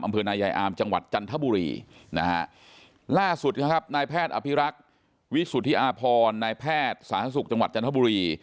อำเภอนายายอามจังหวัดจันทบุรีนะฮะล่าสุดครับนายแพทย์อภิรักษ์วิสุทธิอาพรนายแพทย์สาธารณสุขจังหวัดจันทบุรี